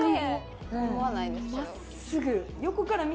真っすぐ。